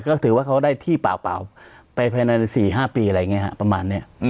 ก็ถือว่าเขาได้ที่เปล่าไปภายใน๔๕ปีอะไรอย่างนี้ประมาณนี้